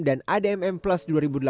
dan admm plus dua ribu delapan belas